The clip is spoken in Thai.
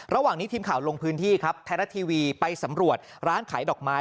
ระหว่างนี้ทีมข่าวลงพื้นที่ครับไทยรัฐทีวีไปสำรวจร้านขายดอกไม้